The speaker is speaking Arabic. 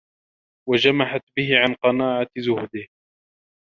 وَجَمَحَتْ بِهِ عَنْ قَنَاعَةِ زُهْدِهِ